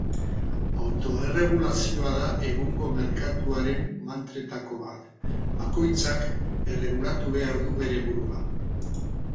Autoerregulazioa da egungo merkatuaren mantretako bat: bakoitzak erregulatu behar du bere burua.